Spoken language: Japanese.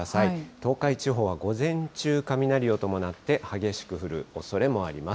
東海地方は午前中雷を伴って、激しく降るおそれもあります。